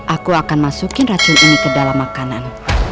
aku akan masukin racun ini ke dalam makanan